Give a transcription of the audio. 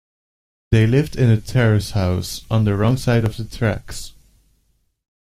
They lived in a terrace house, on the wrong side of the tracks